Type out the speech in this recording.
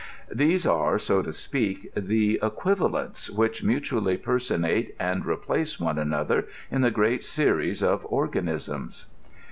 These are, so to speak, the equivalents which mutually personate and replace one another in the great series of organisms.